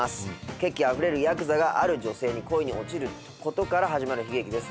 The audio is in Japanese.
血気あふれるヤクザがある女性に恋に落ちる事から始まる悲劇です。